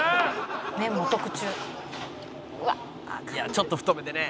「ちょっと太めでね」